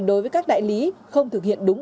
đối với các đại lý không thực hiện đúng